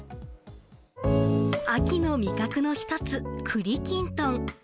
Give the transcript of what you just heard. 秋の味覚の一つ、栗きんとん。